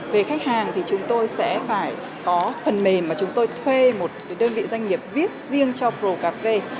về khách hàng thì chúng tôi sẽ phải có phần mềm mà chúng tôi thuê một đơn vị doanh nghiệp viết riêng cho procafe